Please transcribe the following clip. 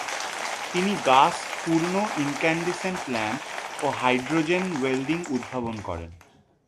তিনি গাস পূর্ণ incandescent lamp ও হাইড্রোজেন ওয়েল্ডিং উদ্ভাবন করেন।